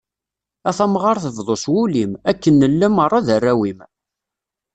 A tamɣart, bḍu s wul-im, akken nella merra d arraw-im.